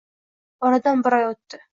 Oradan bir oy o`tdi